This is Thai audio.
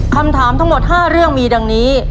คำถามทั้งหมด๕เรื่องมีดังนี้